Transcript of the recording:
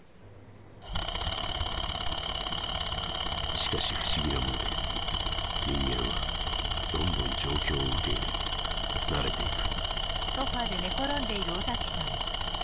しかし不思議なもので人間はどんどん状況を受け入れ慣れていく」。